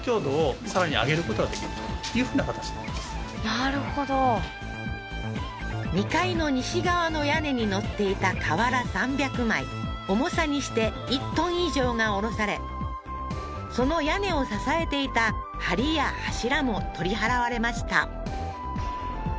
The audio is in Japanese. なるほど２階の西側の屋根に乗っていた瓦３００枚重さにして１ｔ以上が下ろされその屋根を支えていた梁や柱も取り払われました